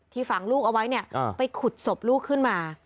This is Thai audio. ฝังลูกเอาไว้เนี่ยไปขุดศพลูกขึ้นมา